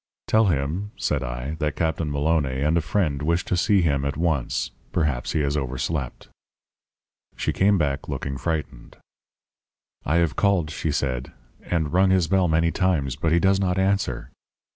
"'Tell him,' said I, 'that Captain Maloné and a friend wish to see him at once. Perhaps he has overslept.' "She came back looking frightened. "'I have called,' she said, 'and rung his bell many times, but he does not answer.'